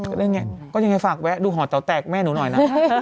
ก็ได้ไงก็ยังไงฝากแวะดูหอเต๋าแตกแม่หนูหน่อยนะ